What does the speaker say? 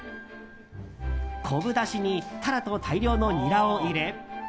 昆布だしにタラと大量のニラを入れ。